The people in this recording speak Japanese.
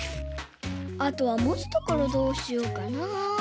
あとはもつところどうしようかな？